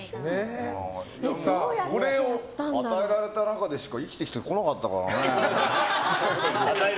与えられた中でしか生きてこなかったからね。